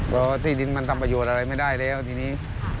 ว่าที่ดินมันทำประโยชน์อะไรไม่ได้แล้วทีนี้